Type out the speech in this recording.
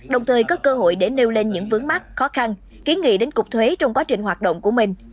đồng thời có cơ hội để nêu lên những vướng mắt khó khăn ký nghị đến cục thuế trong quá trình hoạt động của mình